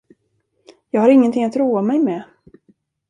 Jag har ingenting att roa mig med.